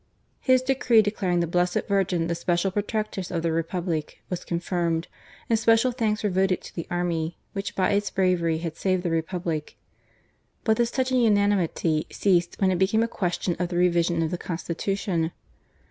His decree declaring the Blessed Virgin the special Protectress of the Re public, was confirmed, and special thanks were voted to the army, which by its bravery had saved the Republic. But this touching unanimity ceased when it became a question of the revision of the Constitu tion.